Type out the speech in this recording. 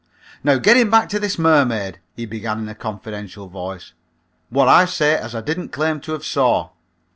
"Now getting back to this mermaid," he began in a confidential voice, "what I say as I didn't claim to have saw.